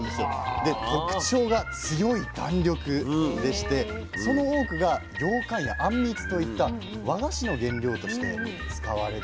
で特徴が強い弾力でしてその多くがようかんやあんみつといった和菓子の原料として使われているんです。